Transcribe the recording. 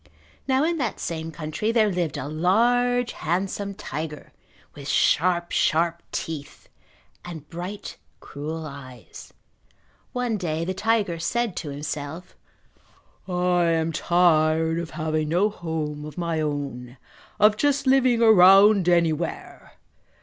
Now in that same country there lived a large handsome tiger, with sharp, sharp teeth and bright, cruel eyes. One day the tiger said to himself, "I am tired of having no home of my own, of just living around anywhere!